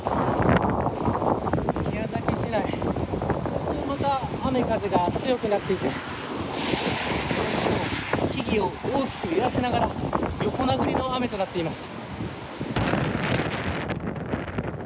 宮崎市内、相当雨風が強くなっていって木々を大きく揺らしながら横殴りの雨となっています。